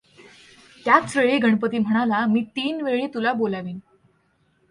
त्याच वेळी गणपती म्हणाला मी तीन वेळी तुला बोलावीन.